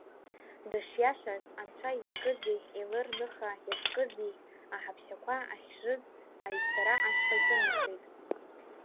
Дышиашаз, Анцәа изкызи, Елыр-ныха иазкызи аҳаԥшьақәа ахьжыз аҩцара ашҟа иҿынеихеит.